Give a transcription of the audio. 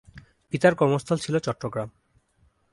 পিতার কর্মস্থল ছিল চট্টগ্রাম।